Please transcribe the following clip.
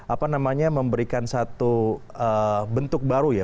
apa namanya memberikan satu bentuk baru ya